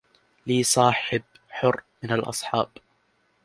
لي صاحب حر من الأصحاب